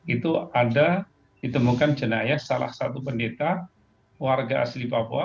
itu ada ditemukan jenayah salah satu pendeta warga asli papua